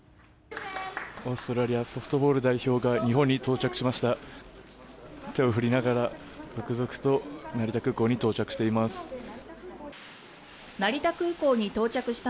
オーストラリアソフトボール代表が日本に到着しました。